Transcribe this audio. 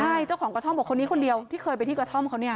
ใช่เจ้าของกระท่อมบอกคนนี้คนเดียวที่เคยไปที่กระท่อมเขาเนี่ย